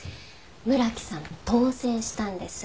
村木さん当選したんです。